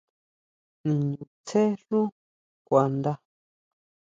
Niñutsjé xú kuandá.